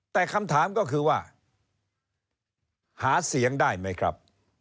แต่คำถามก็คือว่าหาเสียงได้ไหมครับ